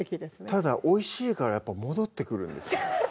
ただおいしいからやっぱ戻ってくるんですよ